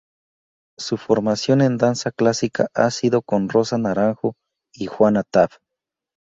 Su formación en danza clásica ha sido con Rosa Naranjo y Juana Taft.